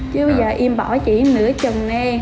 chứ bây giờ em bỏ chỉ nửa trần nè